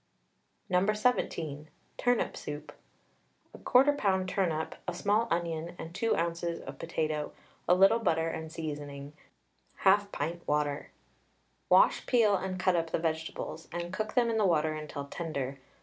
No. 17. TURNIP SOUP. 1/4 lb. turnip, a small onion, and 2 oz. of potato, a little butter and seasoning, 1/2 pint water. Wash, peel, and cut up the vegetables, and cook them in the water until tender.